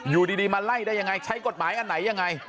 อยู่ดีมาไล่ได้ยังไงใช้กฎหมายอันไหนยังไง